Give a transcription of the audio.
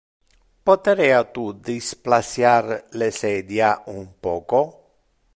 Poterea tu displaciar le sedia un poco?